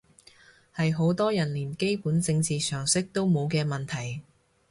係好多人連基本政治常識都冇嘅問題